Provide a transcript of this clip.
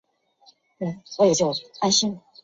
过了许久她能忍则忍